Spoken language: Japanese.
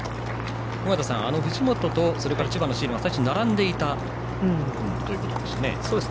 尾方さん、藤本と千葉の椎野は最初、並んでいたということでしたね。